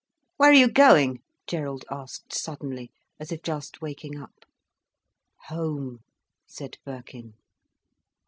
"Where are you going?" Gerald asked suddenly, as if just waking up. "Home," said Birkin.